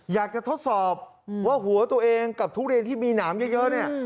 ทดสอบว่าหัวตัวเองกับทุเรียนที่มีหนามเยอะเนี่ย